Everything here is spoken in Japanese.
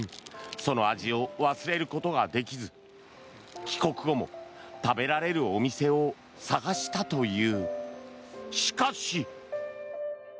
その味を忘れることができず帰国後も食べられるお店を探したという。